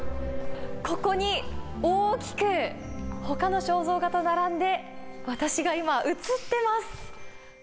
ここに大きく、ほかの肖像画と並んで、私が今、映ってます。